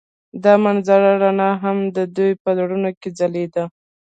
د منظر رڼا هم د دوی په زړونو کې ځلېده.